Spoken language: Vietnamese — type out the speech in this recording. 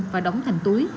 và đóng thành túi